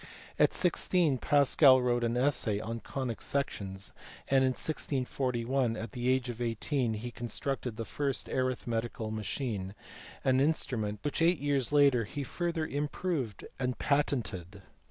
At sixteen Pascal wrote an essay on conic sections; and in 1641, at the age of eighteen, he constructed the first arithmetical machine, an instrument which eight years later he further improved and patented.